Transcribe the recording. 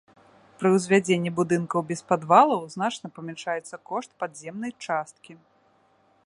Пры ўзвядзенні будынкаў без падвалаў значна памяншаецца кошт падземнай часткі.